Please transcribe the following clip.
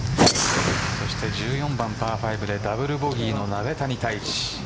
そして１４番パー５でダブルボギーの鍋谷太一。